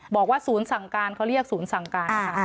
บอกว่าศูนย์สั่งการเขาเรียกศูนย์สั่งการค่ะ